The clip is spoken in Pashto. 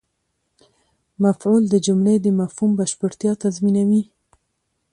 مفعول د جملې د مفهوم بشپړتیا تضمینوي.